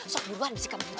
sok diurahan bisa kebuncung